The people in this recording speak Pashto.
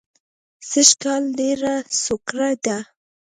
سږ کال ډېره سوکړه ده